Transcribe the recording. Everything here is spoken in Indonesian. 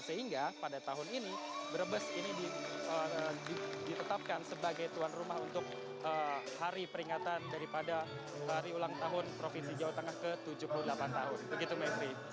sehingga pada tahun ini brebes ini ditetapkan sebagai tuan rumah untuk hari peringatan daripada hari ulang tahun provinsi jawa tengah ke tujuh puluh delapan tahun